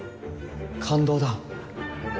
感動だ。